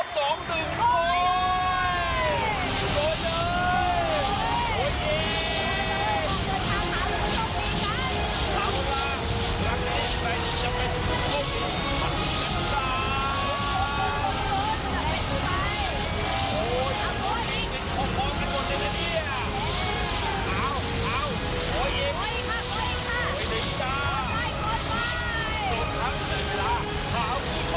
สามองภาค